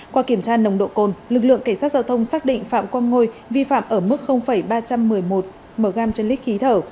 qua kiểm tra nồng độ cồn lực lượng cảnh sát giao thông xác định phạm quang ngôi vi phạm ở mức ba trăm một mươi một mg trên lít khí thở